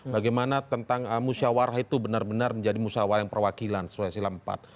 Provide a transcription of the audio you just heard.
bagaimana tentang musyawarah itu benar benar menjadi musawarah yang perwakilan sesuai sila empat